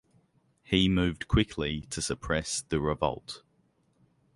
He moved quickly to suppress the revolt.